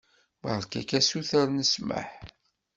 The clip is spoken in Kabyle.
Beṛka-k asuter n ssmaḥ.